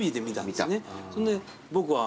そんで僕は。